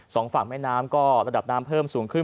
สองฝั่งแม่น้ำก็ระดับน้ำเพิ่มสูงขึ้น